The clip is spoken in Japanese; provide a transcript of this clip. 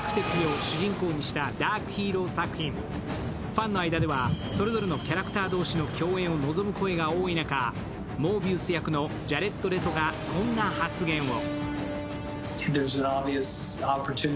ファンの間ではそれぞれのキャラクター同士の共演を望む声が多い中、モービウス役のジャレッド・レトがこんな発言を。